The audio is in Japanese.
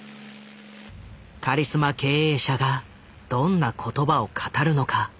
カリスマ経営者がどんな言葉を語るのか？